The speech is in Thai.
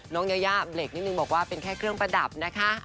ยายาเบรกนิดนึงบอกว่าเป็นแค่เครื่องประดับนะคะ